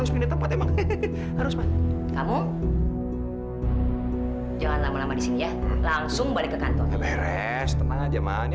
pasti udah babak belur deh